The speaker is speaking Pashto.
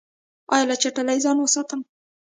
ایا له چټلۍ ځان وساتم؟